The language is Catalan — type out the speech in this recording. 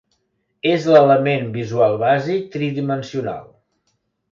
És l'element visual bàsic tridimensional.